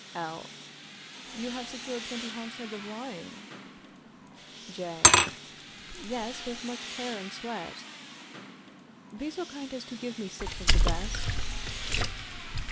L. You have secured twenty hogsheads of wine? J. Yes, with much care and sweat. Be so kind as to give me six of the best.